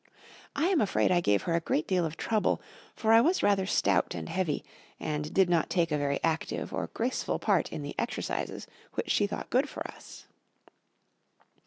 I am afraid I gave her a great deal of trouble, for I was rather stout and heavy, and did not take a very active or graceful part in the exercises which she thought good for us.